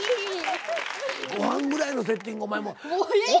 ご飯ぐらいのセッティングお前も。えっ！？